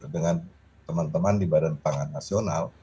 dengan teman teman di badan pangan nasional